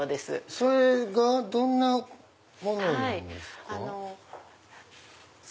それがどんなものなんですか？